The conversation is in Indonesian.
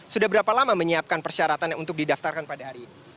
sudah berapa lama menyiapkan persyaratannya untuk didaftarkan pada hari ini